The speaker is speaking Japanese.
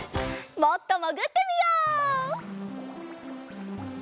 もっともぐってみよう！